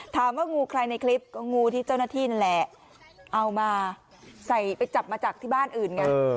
งูใครในคลิปก็งูที่เจ้าหน้าที่นั่นแหละเอามาใส่ไปจับมาจากที่บ้านอื่นไง